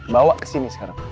bawa ke sini sekarang